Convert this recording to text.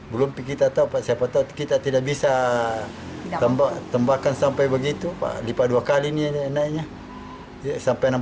belum kita tahu siapa tahu kita tidak bisa tambahkan sampai begitu lipat dua kali ini naiknya sampai enam puluh sembilan juta itu